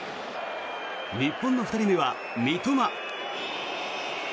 日本の２人目は、三笘。